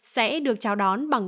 sẽ được chào đón bằng